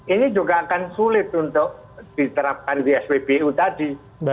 ini juga akan sulit untuk diterapkan di spbu tadi